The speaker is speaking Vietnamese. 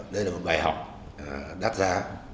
đây là một bài học đắt ra